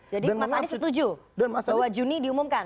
jadi mas anies setuju bahwa juni diumumkan